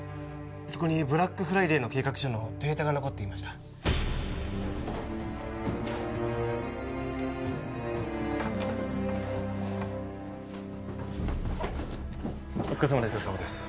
そこにブラックフライデーの計画書のデータが残っていましたお疲れさまです